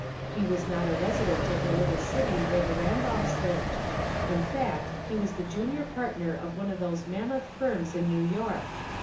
He was not a resident of the little city where the Randolphs lived. In fact, he was the junior partner of one of those mammoth firms in New York.